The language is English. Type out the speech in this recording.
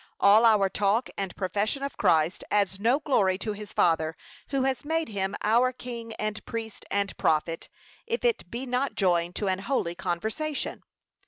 All our talk and profession of Christ, adds no glory to his Father, who has made him our King, and Priest, and Prophet, if it be not joined to an holy conversation.